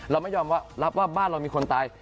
เราไม่ยอมรับว่าบ้านเรามีคนตาย